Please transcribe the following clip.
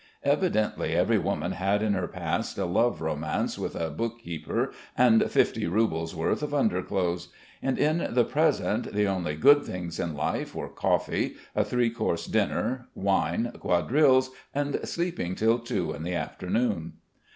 Evidently every woman had in her past a love romance with a bookkeeper and fifty roubles' worth of underclothes. And in the present the only good things in life were coffee, a three course dinner, wine, quadrilles, and sleeping till two in the afternoon....